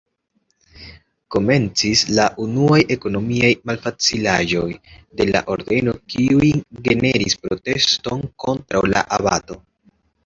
Komencis la unuaj ekonomiaj malfacilaĵoj de la Ordeno kiujn generis proteston kontraŭ la abato.